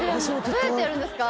どうやってやるんですか？